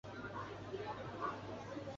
伏见宫贞清亲王是江户时代初期的皇族。